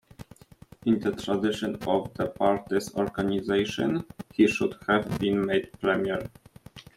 In the tradition of the party's organisation, he should have been made Premier.